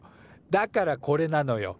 だからこれなのよ。